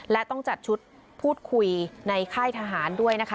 และต้องจัดชุดพูดคุยในค่ายทหารด้วยนะคะ